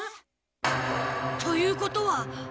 ということは。